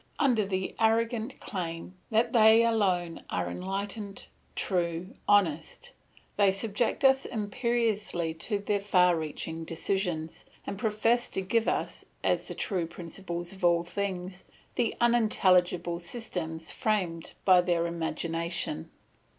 Under the arrogant claim, that they alone are enlightened, true, honest, they subject us imperiously to their far reaching decisions, and profess to give us, as the true principles of all things, the unintelligible systems framed by their imagination.